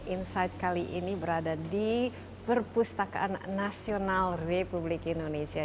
insight kali ini berada di perpustakaan nasional republik indonesia